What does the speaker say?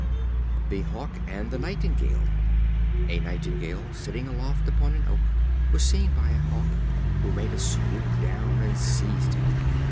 The Hawk and the Nightingale. A Nightingale, sitting aloft upon an oak, was seen by a Hawk, who made a swoop down, and seized him.